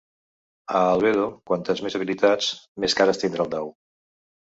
A Albedo, quantes més habilitats, més cares tindrà el dau.